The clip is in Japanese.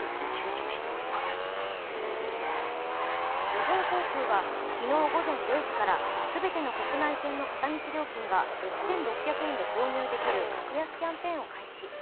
日本航空は昨日午前０時から全ての国内線の片道料金が６６００円で購入できる格安キャンペーンを開始。